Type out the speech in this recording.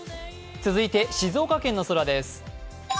続いて、静岡県の空です。